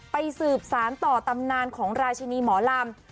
สืบสารต่อตำนานของราชินีหมอลำ